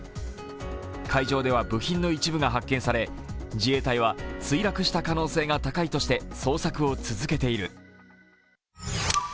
海上では部品の一部が発見され、自衛隊は墜落した可能性が高いとして捜索を続けている。